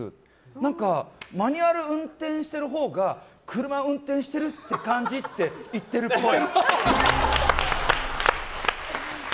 何かマニュアル運転してるほうが車運転してるって感じって言ってるっぽい。